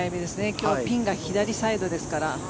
今日、ピンが左サイドですから。